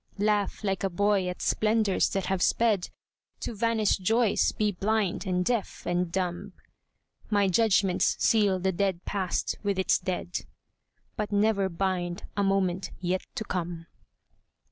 Laugh like a boy at splendors that have sped, To vanished joys be blind and deaf and dumb; My judgments seal the dead past with its dead, But never bind a moment yet to come.